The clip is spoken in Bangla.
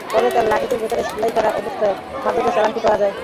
পরে তাঁর লাগেজের ভেতরে সেলাই করা অবস্থায় মাদকের চালানটি পাওয়া যায়।